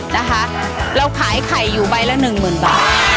นะคะเราขายไข่อยู่ใบละหนึ่งหมื่นบาท